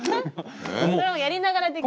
それはやりながらできる。